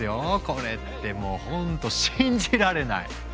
これってもうほんと信じられない！